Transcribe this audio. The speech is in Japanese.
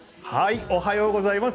おはようございます。